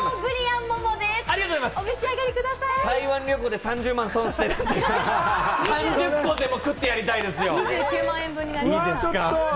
台湾旅行で３０万損して、いっぱい食ってやりたいですよ。